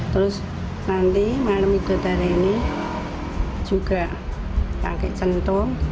terus nanti malam itu hari ini juga pakai centum